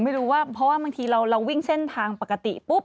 ไม่รู้ว่าเพราะว่าบางทีเราวิ่งเส้นทางปกติปุ๊บ